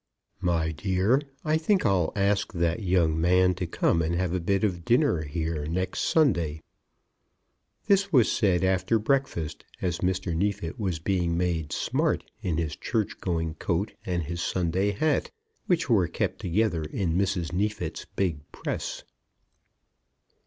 "My dear, I think I'll ask that young man to come and have a bit of dinner here next Sunday." This was said after breakfast, as Mr. Neefit was being made smart in his church going coat and his Sunday hat, which were kept together in Mrs. Neefit's big press.